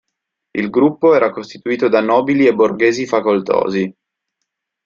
Il gruppo era costituito da nobili e borghesi facoltosi.